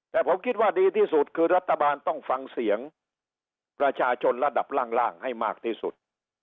แต่ผมคิดว่าดีที่สุดคือรัฐบาลต้องฟังเสียงประชาชนระดับล่างให้มากที่สุด